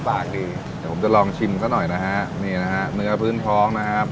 ปากดีเดี๋ยวผมจะลองชิมซะหน่อยนะฮะนี่นะฮะเนื้อพื้นท้องนะครับ